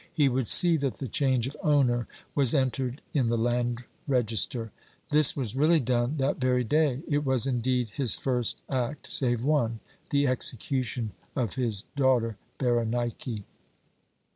He would see that the change of owner was entered in the land register. This was really done that very day. It was, indeed, his first act save one the execution of his daughter Berenike.